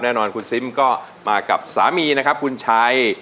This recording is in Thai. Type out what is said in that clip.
แน่นอนคุณซิมก็มากับสามีนะครับคุณชัย